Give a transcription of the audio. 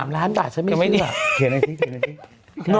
๓ล้านบาทไม่เชื่อ